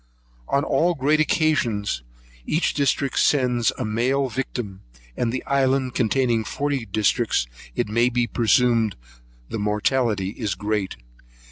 On all great occasions, each district sends a male victim; and the island containing forty districts, it may be presumed the mortality is great.